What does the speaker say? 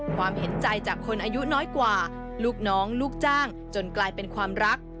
ความเห็นใจจากคนอายุน้อยกว่าลูกน้องลูกจ้างจนกลายเป็นความรัก